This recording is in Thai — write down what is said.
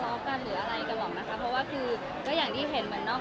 แสวได้ไงของเราก็เชียนนักอยู่ค่ะเป็นผู้ร่วมงานที่ดีมาก